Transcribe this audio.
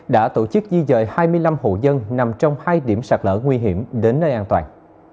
đã tổ chức di dời hai mươi năm hộ dân nằm trong hai điểm sạt lở nguy hiểm đến nơi an toàn